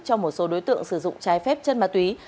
cho một số đối tượng sử dụng trái phép chân ma túy